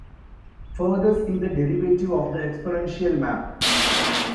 Further see the derivative of the exponential map.